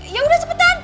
ya udah sepetan